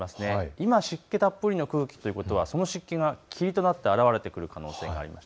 今、湿気たっぷりの空気ということはその湿気が霧となってあらわれてくる可能性があります。